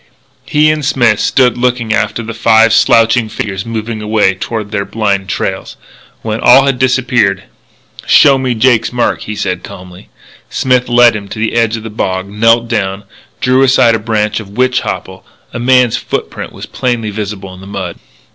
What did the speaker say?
He and Smith stood looking after the five slouching figures moving away toward their blind trails. When all had disappeared: "Show me Jake's mark," he said calmly. Smith led him to the edge of the bog, knelt down, drew aside a branch of witch hopple. A man's footprint was plainly visible on the mud.